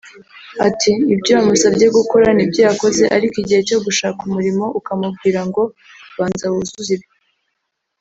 Ati “ Ibyo wamusabye gukora ni byo yakoze ariko igihe cyo gushaka umurimo ukamubwira ngo banza wuzuze ibi